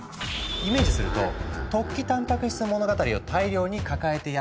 イメージすると「突起たんぱく質物語」を大量に抱えてやって来る。